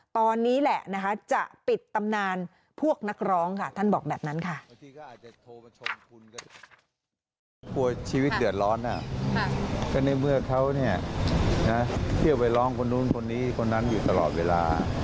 ตอนนี้แหละนะคะจะปิดตำนานพวกนักร้องค่ะท่านบอกแบบนั้นค่ะ